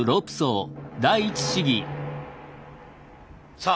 さあ